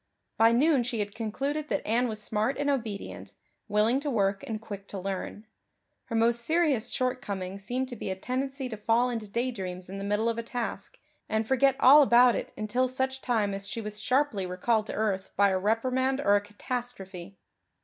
By noon she had concluded that Anne was smart and obedient, willing to work and quick to learn; her most serious shortcoming seemed to be a tendency to fall into daydreams in the middle of a task and forget all about it until such time as she was sharply recalled to earth by a reprimand or a catastrophe.